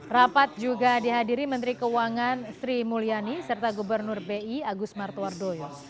rapat juga dihadiri menteri keuangan sri mulyani serta gubernur bi agus martowardoyo